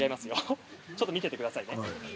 ちょっと見ていてくださいね。